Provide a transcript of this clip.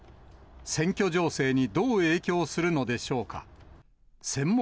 選挙情勢にどう影響するのでしょうか。